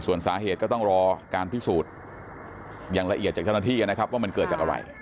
ส่วนสาเหตุก็ต้องรอการพิสูจน์อย่างละเอียดจากเจ้าหน้าที่นะครับว่ามันเกิดจากอะไร